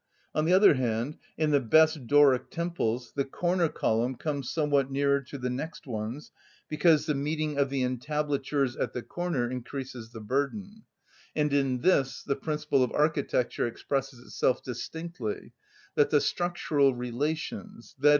On the other hand, in the best Doric temples the corner column comes somewhat nearer to the next ones, because the meeting of the entablatures at the corner increases the burden; and in this the principle of architecture expresses itself distinctly, that the structural relations, _i.